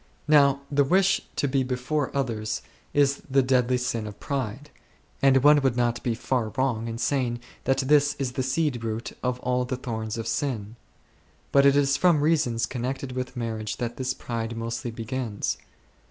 Now the wish to be before others is the deadly sin of pride, and one would not be far wrong in saying that this is the seed root of all the thorns of sin ; but.it is from reasons connected with marriage that this pride mostly begins.